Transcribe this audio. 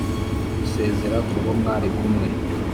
usezera ku bo mwari kumwe,